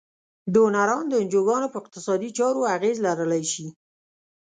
ډونران د انجوګانو په اقتصادي چارو اغیز لرلای شي.